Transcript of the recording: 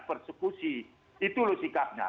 persekusi itu loh sikapnya